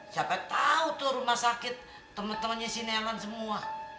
siapa tau tuh rumah sakit temen temennya si nelan semua